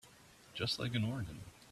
Just like an organ.